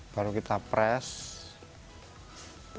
baru kita press